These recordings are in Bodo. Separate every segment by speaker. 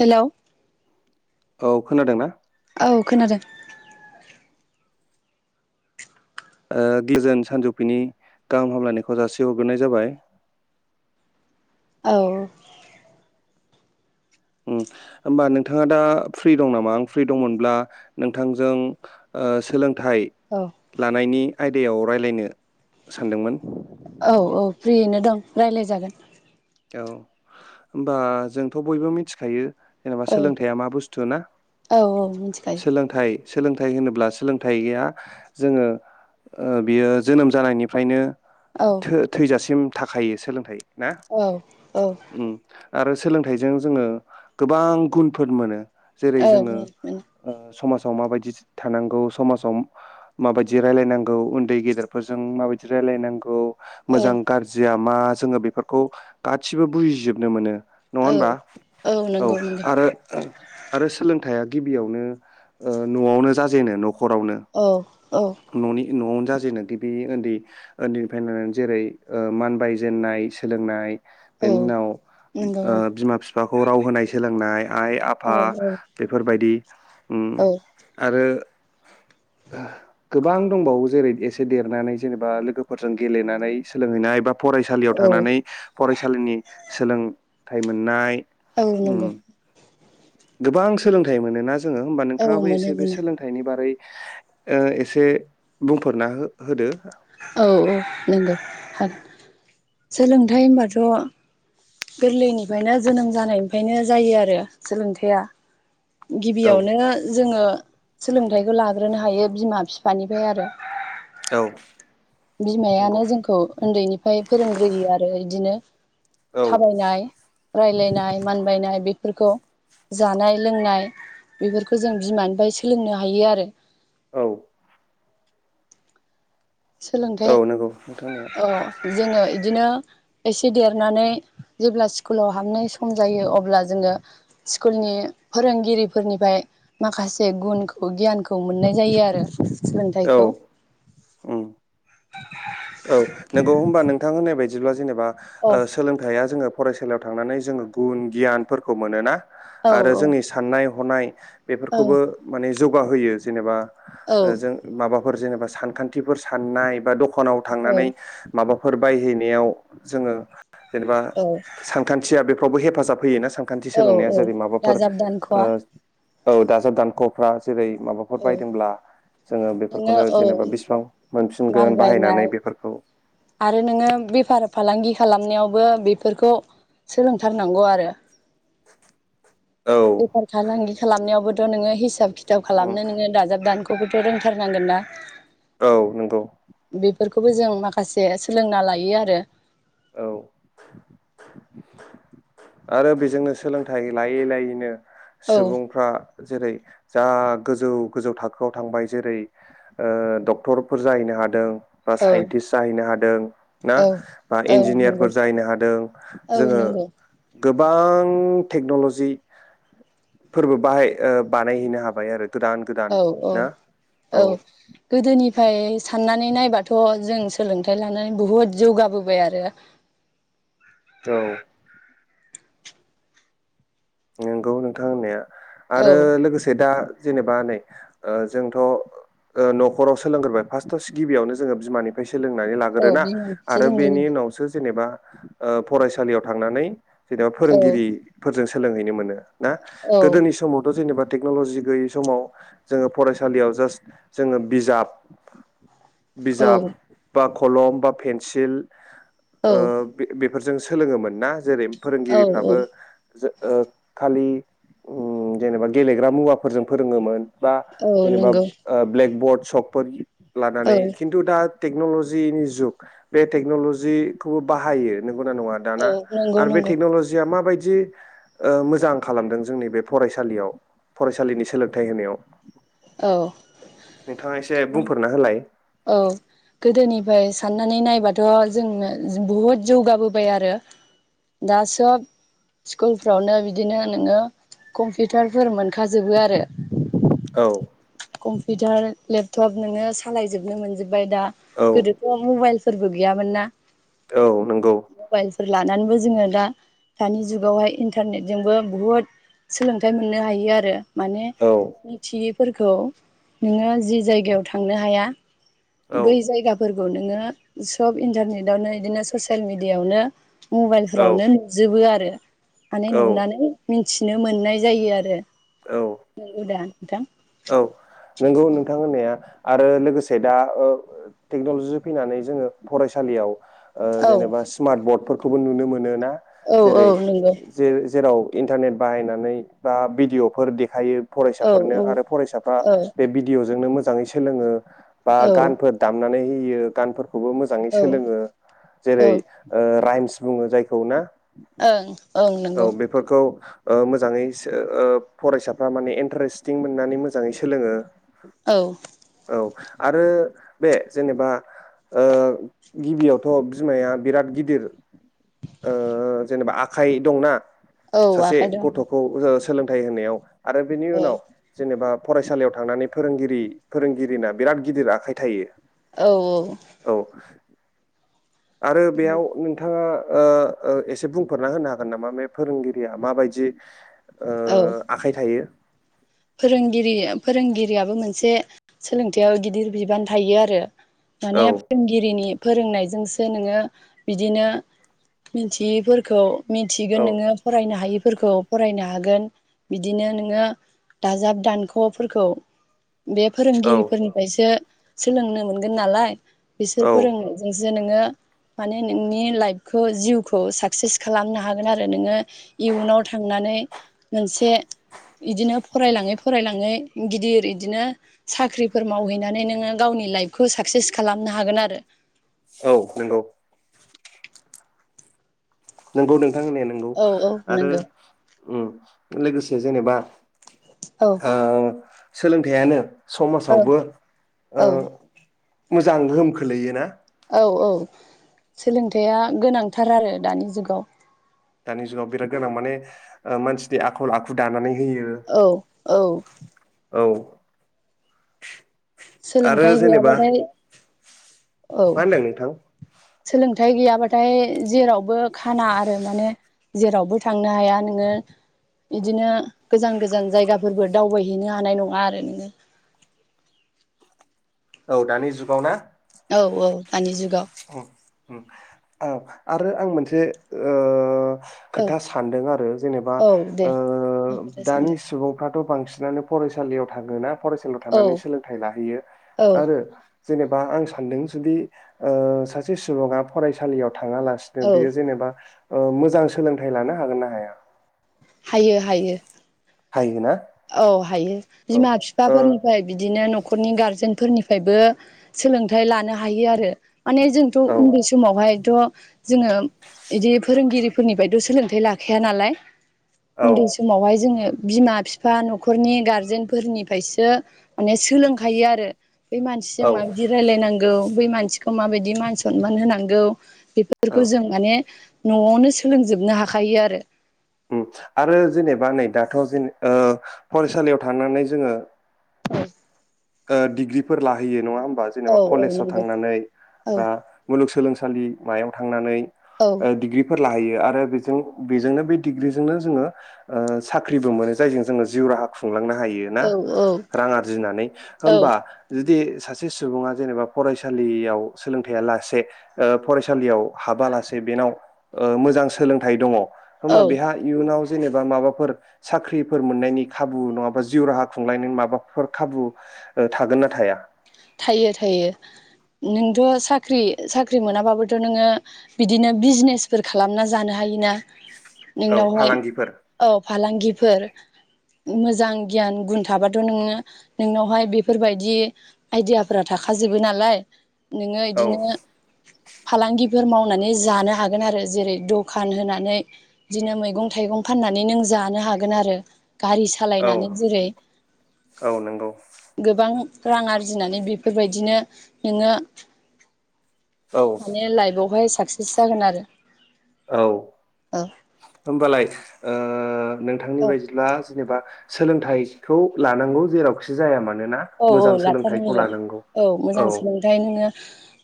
Speaker 1: हेलौ
Speaker 2: औ खोनादोंना?
Speaker 1: औ खोनादों।
Speaker 2: ओ गोजोन सानजौफिनि गाहाम हामलायनायखौ जासिहरग्रोनाय जाबाय,
Speaker 1: औ
Speaker 2: उम होमबा नोंथाङा दा फ्रि दं नामा आं फ्रि दंमोनब्ला नोंथांजों ओ सोलों, थाय
Speaker 1: औ
Speaker 2: लानायनि, आयदायाव रायज्लायनो सानदोंमोन,
Speaker 1: औ औ फ्रियैनो दं रायज्लायजागोन,
Speaker 2: औ होमबा जोंथ' बयबो मिथिखायो, एबा
Speaker 1: औ
Speaker 2: सोलोंथाइआ मा बुस्तु थुना
Speaker 1: औ औ मिथिखायो
Speaker 2: सोलोंथाइ सोलों सोलोंथाइ होनोब्ला सोलोंथाया जोङो ओ बियो जोनोम जानायनिफ्रायनो,
Speaker 1: औ
Speaker 2: थो थैजासिम, थाखायो सोलोंथाइ, ना
Speaker 1: औ औ
Speaker 2: उम आरो सोलोंथाइजों जोङो गोबां गुनफोर मोनो जेरै
Speaker 1: ओं
Speaker 2: जोङो
Speaker 1: ओ ओ
Speaker 2: समाजाव माबायदि थानांगौ समाजाव माबायदि रायलायनांगौ उन्दै गेदेरफोरजों माबायदि रायलायनांगौ,
Speaker 1: औ
Speaker 2: मोजां गाज्रिया, मा जोङो बेफोरखौ, गासिबो बुजिजोबनो मोनो नङा
Speaker 1: औ
Speaker 2: होनबा औ
Speaker 1: नंगौ नंगौ
Speaker 2: आरो आरो सोलोंथाया गिबियावनो ओ न'आवनो जाजेनो न' हरावनो।
Speaker 1: औ औ
Speaker 2: ननि न'आवनो जा जेनो गिबि उन्दै उन्दैनिफ्रायनोनानै जेरै मानबाय जेननाय सोलोंनाय
Speaker 1: औ
Speaker 2: बेनि उनाव
Speaker 1: नंगौ
Speaker 2: बिमा बिफाखौ राव होनाय सोलोंनाय आइ
Speaker 1: औ
Speaker 2: आफा बेफोरबायदि। उम
Speaker 1: औ औ
Speaker 2: आरो। [inaudible] गोबां दंबावो जेरै एसे देरनानै जेनेबा लोगोफोरजों गेलेनानै सोलोंहैनाय एबा फरायसालियाव
Speaker 1: औ
Speaker 2: थांनानै फरायसालिनि सोलोंथाइ मोननाय।
Speaker 1: औ
Speaker 2: उम
Speaker 1: नंगौ।
Speaker 2: गोबां सोलोंथाइ मोनोना जोङो होमबा
Speaker 1: औ
Speaker 2: नोंथाङाबो
Speaker 1: मोनो
Speaker 2: एसे बे
Speaker 1: मोनो
Speaker 2: सोलोंथाइनि बारै एसे बुंफोरना हो होदो।
Speaker 1: औ औ नंगौ सोलोंथाइ होनबाथ' गोरलैनिफ्रायनो जोनोम जानायनिफ्रायनो जायो आरो सोलोंथाया।
Speaker 2: औ
Speaker 1: गिबियावनो जोङो सोलोंथाइखौ लाग्रोनो हायो बिमा बिफानिफ्राय आरो
Speaker 2: औ
Speaker 1: बिमायानो
Speaker 2: नंगौ
Speaker 1: जोंखौ उन्दैनिफ्राय फोरोंग्रोयो आरो बिदिनो।
Speaker 2: औ
Speaker 1: थाबायनाय। राय्लायनाय मानबायायनाय बेफोरखौ जानाय लोंनाय बेफोरखौ जों बिमानिफ्राय सोलोंनो हायो आरो।
Speaker 2: औ। औ
Speaker 1: सोलोंथाइ
Speaker 2: नंगौ नोंथांनिया
Speaker 1: औ जोङो इदिनो -' एसे देरनानै जेब्ला स्कुलाव हाबनाय सम जायो अब्ला जोङो स्कुलनि फोरोंगिरिफोरनिफ्राय माखासे गुनखौ गियानखौ मोननाय जायो आरो।
Speaker 2: औ
Speaker 1: सोलोंथायखौ।
Speaker 2: उम औ नंगौ होमबा नोंथां [unintelligible] जेनेबा
Speaker 1: औ
Speaker 2: सोलोंथाया जोङो फरायसालियाव थांनानै जोङो गुन गियानफोरखौ मोनोना।
Speaker 1: औ
Speaker 2: आरो जोंनि साननाय हननाय। बेफोरखौबो माने जौगाहोयो जेनेबा
Speaker 1: औ
Speaker 2: जों माबा फोर जेनेबा सानखान्थिफोर साननाय बा दखानाव थांनानै माबाफ फोर बायहैनायाव जोङो जेनेबा
Speaker 1: औ
Speaker 2: सानखान्थिया बेफ फ्रावबो हेफाजाब होयोना सा सानखान्थि सोलोंनाया
Speaker 1: औ
Speaker 2: जेरै माबाफोर
Speaker 1: दाजाब
Speaker 2: ओ
Speaker 1: दानख'आ
Speaker 2: औ दाजाब दानख'फ्रा जेरै माबाफोर
Speaker 1: औ
Speaker 2: बायदोंब्ला जोङो
Speaker 1: नोङो
Speaker 2: बेफोरखौनो
Speaker 1: औ
Speaker 2: जेनेबा बेसिबां
Speaker 1: माल
Speaker 2: मोनफिनगोन बाहायनानै
Speaker 1: बायनाय
Speaker 2: बे
Speaker 1: आरो नोङो बे बेफार-फालांगि खालामनायावबो बेफोरखौ सोलोंथारनांगौ आरो।
Speaker 2: औ
Speaker 1: बेफार फालांगि खालामनायावबो थ' नोङो हिसाब खिथाब
Speaker 2: उम
Speaker 1: खालामनो नोङो दाजाब दानखौबोथ' रोंथारनांगोन ना?
Speaker 2: औ नों गौ
Speaker 1: फोरखौबो जों माखासे सोलोंना लायो आरो।
Speaker 2: औ आरो बेजोंनो सोलोंथाइ लायै लायैनो
Speaker 1: औ
Speaker 2: सुबुंफ्रा जेरै जा गोजौ गोजौ थाखोआव थांबाय जेरै ओ डक्टरफोर जाहैनो हादों। बा
Speaker 1: औ
Speaker 2: साइन्टिस्ट जाहैनो हादों ना?
Speaker 1: औ औ नंगौ
Speaker 2: इन्जिनियारफोर जाहैनो हादों
Speaker 1: औ
Speaker 2: जोङो।
Speaker 1: नंगौ
Speaker 2: गोबां टेक्न'ल'जि फोरबो बाहाय ओ बानायहैनो हाबाय आरो गोदान गोदान
Speaker 1: औ औ
Speaker 2: ना
Speaker 1: औ गोदोनि फाय साननानै नायबाथ' जों सोलोंथायाइ लानानै बुहुद जौगाबोबाय आरो
Speaker 2: औ नंगौ नोंथां होननाया
Speaker 1: औ
Speaker 2: आरो लोगोसे दा जेनेबा नै ओ जोंथ' ओ न'खराव सोलोंग्रोबाय फार्स्टआव स गिबियावनो जोङो बिमानिफ्राय सो सोलोंनानै
Speaker 1: औ
Speaker 2: लागोरोना
Speaker 1: बिमा बिफासो
Speaker 2: आरो बेनि
Speaker 1: लोंग्रोयो
Speaker 2: उनावसो जेनेबा ओ फरायसालियाव थांनानै जेनेबा
Speaker 1: औ
Speaker 2: फोरोंगिरिफोरजों स सोलोंहैनो मोनो। ना
Speaker 1: औ
Speaker 2: गोदोनि समावथ' जेनेबा। टेक्न'ल'जि गैयै समाव जोङो फरायसालियाव जास्ट जोङो बिजाब।
Speaker 1: औ
Speaker 2: बिजाब बा कलम बा पेेनसिल।
Speaker 1: औ
Speaker 2: ओ बे बे। फोरजों सोलोङोमोन ना जेरै
Speaker 1: औ औ
Speaker 2: फोरोंगिरिफ्राबो जो ओ खालि उम जेनेबा गेलेग्रा मुवाफोरजों फोरोङोमोन। बा
Speaker 1: औ
Speaker 2: जेनेबा
Speaker 1: नंगौ
Speaker 2: ब्लेकबर्ड सकफोर
Speaker 1: औ
Speaker 2: लानानै खिन्थु दा टेक्न'ल'जिनि जुग बे टेक्नल'जिखौबो बाहायो। नंगौना नङा
Speaker 1: औ
Speaker 2: दाना
Speaker 1: नंगौ
Speaker 2: आर बे
Speaker 1: नंगौ
Speaker 2: टेकनलिया मा बायदि। जि। मोजां खालामदों जोंनि बे फरायसालियाव फरायसालिनि सोलोंथाइ होनायाव।
Speaker 1: औ।
Speaker 2: नोंथाङा एसे बुंफोरना होलाय।
Speaker 1: औ गोदोनिफाय साननानै नायबाथ जोंनो जों बुहुद जौगाबोबाय आरो दा सब स्कुलफ्रावनो बिदिनो नोङो कम्पिउटारफोर मोनखाजोबो आरो।
Speaker 2: औ।
Speaker 1: कम्पिउटार लेपटप नोङो सालाय जोबनो मोनजोब ओमफाय दा
Speaker 2: औ
Speaker 1: गोदोथ' मबाइल फोरबो गियामोन ना।
Speaker 2: औ नोंगौ।
Speaker 1: फोर लानानैबो जोङो दा दानि जुगावहाय इन्टारनेटजोंबो बुहुद सोलोंथाइ मोननो हायो आरो। माने
Speaker 2: औ
Speaker 1: मिथियै फोरखौ नोङो जि जायगायाव थांनो हाया। बै जायगाफोर खौ नोङो सब इन्टारनेटावनो इदिनो ससियेल मिडियाआवनो
Speaker 2: औ
Speaker 1: मबाइलफोरावनो नुजोबो आरो। माने
Speaker 2: औ
Speaker 1: नुनानै मि थिनो मोननाय जायो आरो।
Speaker 2: औ
Speaker 1: नोंगौ दा। नोंथां
Speaker 2: औ नंगौ नोंथां होननाया आरो लोगोसे दा ओ टेक्नलजिजों फैनानै जोङो फरायसालियाव ओ
Speaker 1: औ
Speaker 2: जेनेबा स्मार्ट बर्डफोर खौबो नुनो मोनो ना।
Speaker 1: औ औ
Speaker 2: जेरै
Speaker 1: नंगौ
Speaker 2: जे जेराव इन्टारनेट बाहायनानै बा भिडिअ फोर देखायो।
Speaker 1: औ
Speaker 2: फरायसाफोरनो
Speaker 1: औ
Speaker 2: आरो फरायसाफ्रा
Speaker 1: औ
Speaker 2: बे भिडिअ जोंनो मोज मोजाङै सोलोङो बा गानफोर दामनानै बियो गानफोर खौबो मोजाङै
Speaker 1: औ
Speaker 2: सोलोंङो
Speaker 1: औ
Speaker 2: जेरै ओ राइम्स बुङो जायखौ ना।
Speaker 1: ओं ओं
Speaker 2: औ
Speaker 1: नंगौ।
Speaker 2: बेफोरखौ ओ मोजाङै सो ओ फरायसाफ्रा माने इन्टारेस्टिं मोननानै मोजाङै सोलोङो।
Speaker 1: औ
Speaker 2: औ आरो बे जेनेबा ओ गिबियावथ बिमाया बिराद गिदिर ओ जेनेबा आखाइ दंना।
Speaker 1: औ
Speaker 2: सासे
Speaker 1: आखाइ दं
Speaker 2: गथखौ ओ स सोलोंथाइ होनायाव आरो बेनि
Speaker 1: औ
Speaker 2: उनाव जेनेबा फरायसालियाव थांनानै फोरोंगिरि फोरोंगिरिना बिराद गिदिर आखाइ थायो।
Speaker 1: औ औ
Speaker 2: औ आरो बेयाव नोंथाङा ओ एसे बुंफोरना होनो हागोन नामा मे फोरोंगिरिया माबायदि। ओ आखाइ थायो।
Speaker 1: फोरोंगिरि फोरोंगिरियाबो मोनसे सोलोंथायाव गिदिर बिबान थायो आरो।
Speaker 2: औ
Speaker 1: माने फोरोंगिरिनि फोरोंनायजोंसो नोङो बिदिनो मिनथियैफोरखौ मिथिगोन
Speaker 2: औ
Speaker 1: नोङो फरायनो हायि फोरखौ फरायनो हागोन बिदिनो नोङो दाजाब दानख फोरखौ बे फोरोंगिरिफोरनिफ्रायसो सोलोंनो मोनगोन नालाय बिसोर
Speaker 2: औ
Speaker 1: फोरोंनो जोंजो जे नोङो माने नोंनि लाइफखौ जिउखौ साक्सेस खालामनो हागोन आरो नोङो इयुनाव थांनानै मोनसे इदिनो फ फरायलाङै फरायलाङै गिदिर इदिनो साख्रिफोर मावहैनानै नोङो गावनि लाइफखौ साक्सेस खालामनो हागोन आरो
Speaker 2: औ नंगौ नोंगौ नों थां होननाया नोंगौ
Speaker 1: औ औ
Speaker 2: आरो।
Speaker 1: नंगौ
Speaker 2: उम लोगोसे जेनेबा।
Speaker 1: औ
Speaker 2: ओ सोलोंथायानो।
Speaker 1: औ
Speaker 2: समाजावबो ओ
Speaker 1: औ
Speaker 2: मोजां गोहोम खोलैयोना?
Speaker 1: औ औ सोलोंथाया गोनांथार आरो दानि जुगाव।
Speaker 2: दानि जुगाव बिराद गोनां माने ओ मानसिनि आखल आखु दानानै। होयो
Speaker 1: औ औ।
Speaker 2: औ। आरो
Speaker 1: सोलोंथाइ
Speaker 2: जेनेबा
Speaker 1: गैयाबाथाय। औ
Speaker 2: मा होनदों नोंथां?
Speaker 1: सोलोंथाइ गैयाबाथाय जेरावबो खाना आरो माने जेरावबो थांनो हाया नोङो इदिनो गोजान गोजान जायगाफोरबो दावबायहैनो हानाय नङा आरो नोङो।
Speaker 2: औ दानि जुगाव ना?
Speaker 1: औ औ दानि जुगाव।
Speaker 2: उम उम ओ आरो आं मोनसे ओ
Speaker 1: औ
Speaker 2: खोथा सानदों आरो जेनेबा
Speaker 1: औ दे
Speaker 2: ओ
Speaker 1: होनखौथ'
Speaker 2: दानि
Speaker 1: सानदों
Speaker 2: सुबुंफ्रा थ' बांसिनानो फरायसालियाव थाङोना? फरायसालियाव
Speaker 1: औ
Speaker 2: थानानै सोलोंथाइ लाहैयो
Speaker 1: औ
Speaker 2: आरो जेनेबा आं सानदों जुदि ओ सासे सुबुङा फरायसालियाव थांङा लासिनो
Speaker 1: औ
Speaker 2: बोयो जेनेबा ओ मोजां सोलोंथाइ लानो हागोन ना हाया?
Speaker 1: हायो हायो।
Speaker 2: हायोना?
Speaker 1: औ। हायो
Speaker 2: औ
Speaker 1: बिमा
Speaker 2: ओ
Speaker 1: बिफाफोरनिफ्राय बिदिनो न'खरनि गारजेनफोरनि फायबो सोलोंथाइ लानो हायो आरो। माने जोंथ'
Speaker 2: औ
Speaker 1: उन्दै समावहाय। थ' जोङो इदि फोरोंगिरिफोरनिफाथ' सोलोंथाइ लाखाया नालाय। उन्दै
Speaker 2: औ
Speaker 1: समावहाय जोङो। बिमा फि फा नखरनि गारजेनफोरनिफायसो माने सोलोंखायो आरो। बे मानसिजों
Speaker 2: औ
Speaker 1: माबायदि रायलायनां गौ बै मानसिखौ माबायदि मान सनमान होनांगौ
Speaker 2: औ
Speaker 1: बेफोरखौ जों माने नआवनो सोलोंजोबनो हाखायो आरो।
Speaker 2: उम आरो जेनेबा नै दाथ जों ओ फरायसालियाव थानानै जोङो ओ डिग्रिफोर लाहैयो नङा होमा
Speaker 1: औ
Speaker 2: जेनोबा
Speaker 1: औ
Speaker 2: कलेजाव
Speaker 1: नंगौ
Speaker 2: थांनानै
Speaker 1: औ
Speaker 2: बा मुलुग सोलोंसालि थानसालि मायाव थांनानै
Speaker 1: औ
Speaker 2: ओं दिग्रिफोर लाहैयो आरो बे बेजोंनो बे डिग्रिजोंनो जोङो साख्रिबो मोनो जायजों जोङो जिउ राहा खुंलांनो हायो। हाथों ना रां आरजिनानै
Speaker 1: औ
Speaker 2: होमबा जुदि सासे सुबुङा जेनेबा फरायसालियाव सोलोंथायाइया लासे फरायसालियाव हाबा लासे बेनाव मोजां सोलोंथाइ दङ।
Speaker 1: औ
Speaker 2: होबा बेहा इयुनाव जेनेबा माबाफोर साख्रिफोर मोननायनि खाबु नङाबा जिउ राहा खुंलायनायनि माबाफोर खाबु थागोन ना थाया।
Speaker 1: थायो थायो नोंथ साख्रि साख्रि मोनाबाबोथ नोङो बिदिनो बिजनेसफोर खालामना जानो हायोना
Speaker 2: औ
Speaker 1: नोंनावहाय
Speaker 2: फालांगिफोर
Speaker 1: औ फालांगि फोर मोजां गियान गुन थाबाथ नोङो नोंनावहाय बेफोरबायदि आइदियाफोरा थाखाजोबो नालाय नोङो
Speaker 2: औ
Speaker 1: इदिनो फालांगि फोर मावनानै जानो हागोन आरो जेरै दखान होनानै बिदिनो मैगं थाइगं फाननानै नों जानो हागोन आरो। गारि
Speaker 2: औ
Speaker 1: सालायनानै जेरै
Speaker 2: औ नंगौ
Speaker 1: गोबां रां आरजि आरजिनानै बेफोरबायदिनो नोङो
Speaker 2: औ
Speaker 1: माने लाइभआवहाय साक्सेस जागोन आरो
Speaker 2: औ
Speaker 1: औ
Speaker 2: होनबालाय ओ नोंथांनि
Speaker 1: औ
Speaker 2: बायदिब्ला जेनेबा सोलोंथाइखौ लानांगौ जेरावखि जाया मानो
Speaker 1: औ औ लाथारनांगौ औ मोजां सोलोंथायाइ नोङो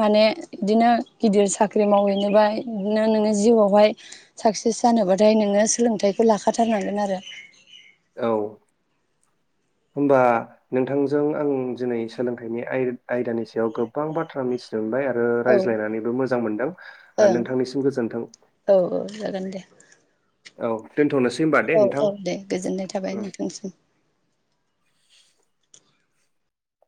Speaker 1: माने बिदिनो गिदिर साख्रि मावहैनोबा बिदिनो नोङो जिउआवहाय साक्सेस जानोबाथाय नोङो सोलोंथाइखौ लाखाथारनांगोन आरो।
Speaker 2: औ होमबा नोंथांजों आं दिनै सोलोंथाइनि आयदानि सायाव गोबां बाथ्रा मिथिनोमोनबाय आरो ओ
Speaker 1: औ
Speaker 2: रायज्लायनानैबो मोजां मोनदों
Speaker 1: ओं
Speaker 2: नोंथांनिसिम गोजोन्थों।
Speaker 1: औ जागोन दे
Speaker 2: औ दोनथनोसै। होमबा दे
Speaker 1: औ औ
Speaker 2: नोंथां
Speaker 1: दे गोजोननाय थाबाय नोंथांसिम।